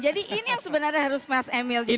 jadi ini yang sebenarnya harus mas emil